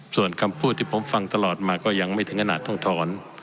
ส่วนคำพูดที่ผมฟังตลอดมาก็ยังไม่ถึงขนาดต้องถอน